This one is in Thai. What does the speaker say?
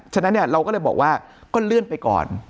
ฉะนั้นเราก็เลยบอกว่าก็เลื่อนไปก่อน